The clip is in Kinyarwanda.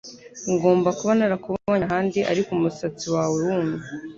Ngomba kuba narakubonye ahandi ariko umusatsi wawe wumye